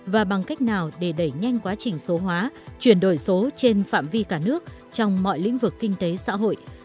và bằng cách nào để đẩy nhanh quá trình số hóa chuyển đổi số trên phạm vi cả nước trong mọi lĩnh vực kinh tế xã hội